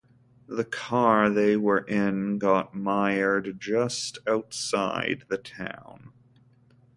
The car they were in got mired just outside the town.